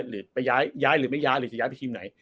หรือไปย้ายหรือไม่ย้ายหรือจะย้ายไปทีมไหน